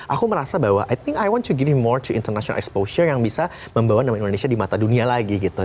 aku merasa bahwa i think i want to gimmi more to international exposure yang bisa membawa nama indonesia di mata dunia lagi gitu